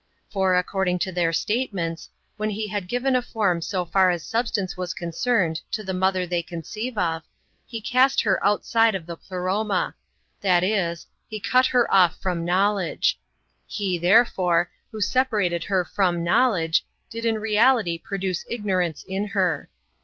For, according to their statements, when He had given a form so far as substance was concerned to the Mother they conceive of, He cast her outside of the Pleroma ; that is, He cut her off from knowledge. He, therefore, who separated her from knowledge, did in reality produce ignorance in her.